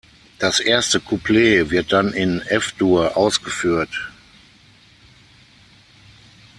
Das erste Couplet wird dann in F-Dur ausgeführt.